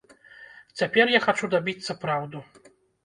Цяпер я хачу дабіцца праўду.